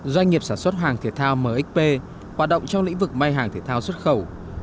doanh nghiệp sản xuất hàng thể thao mxp hoạt động trong lĩnh vực may hàng thể thao xuất khẩu